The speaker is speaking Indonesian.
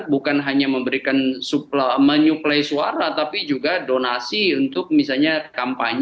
bukan hanya memberikan menyuplai suara tapi juga donasi untuk misalnya kampanye